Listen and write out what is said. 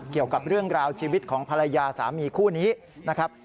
เกี่ยวกับเรื่องราวชีวิตของภรรยาสามีคู่นี้นะครับ